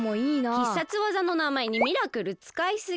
必殺技のなまえにミラクルつかいすぎ。